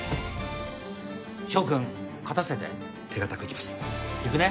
翔くん勝たせて手堅くいきますいくね？